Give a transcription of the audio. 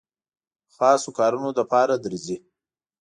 خاصو کارونو لپاره درځي.